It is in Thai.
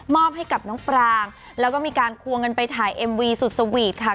ให้กับน้องปรางแล้วก็มีการควงกันไปถ่ายเอ็มวีสุดสวีทค่ะ